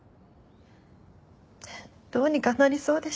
どうにかなりそうでした。